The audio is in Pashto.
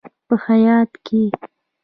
په هیات کې: